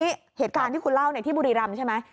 นี่เหตุการณ์ที่คุณเล่าที่บุรีรำใช่ไหม